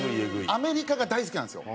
アメリカが大好きなんですよ。